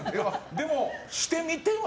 でも「してみては？」